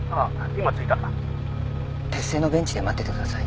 今着いた」鉄製のベンチで待っててください。